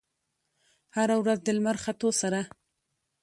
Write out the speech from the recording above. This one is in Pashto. هره ورځ د لمر ختو سره